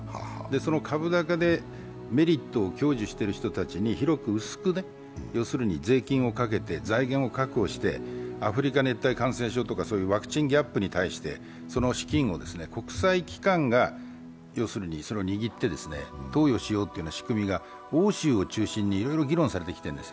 その株だけでメリットを得ている人たちに広く薄く税金をかけて財源を確保してアフリカ熱帯感染症とか、ワクチンギャップに対してその資金を国政機関がそれを握って投与しようという仕組みが欧州を中心に議論されています。